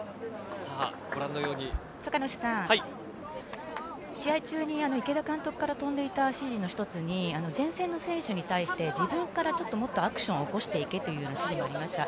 酒主さん試合中に池田監督からとんでいた指示の一つに前線の選手に対して自分からもっとアクションを起こしていけという指示がありました。